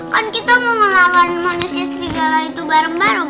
kan kita mau ngelawan manusia segala itu bareng bareng